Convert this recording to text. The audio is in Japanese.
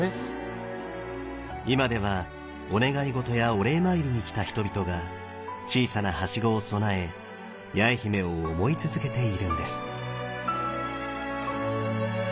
今ではお願い事やお礼参りに来た人々が小さなはしごを供え八重姫を思い続けているんです。